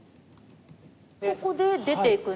ここで出ていくんですね。